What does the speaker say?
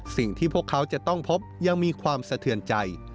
สิ่งที่พวกเขาจะต้องพบยังมีความสะเทือนใจ